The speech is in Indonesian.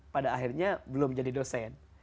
pada akhirnya belum jadi dosen